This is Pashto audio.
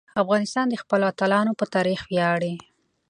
افغانستان د خپلو اتلانو په تاریخ ویاړي.